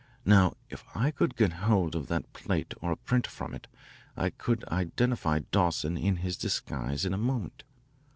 Now if I could get hold of that plate or a print from it I could identify Dawson in his disguise in a moment.